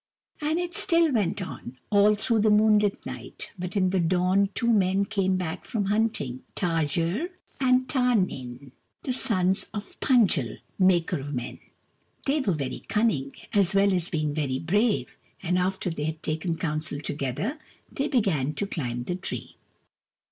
And it still went on, all through the moonlit night. But in the dawn two men came back from hunting : Ta jerr and Tarrn nin, the sons of Pund jel, Maker of Men. They were very cunning, as well as being very brave, and after they had taken counsel together, they began to climb the tree.